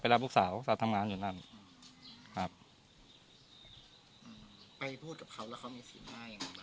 ไปรับลูกสาวสาวทำงานอยู่นั่นครับไปพูดกับเขาแล้วเขามีสิ่งง่าย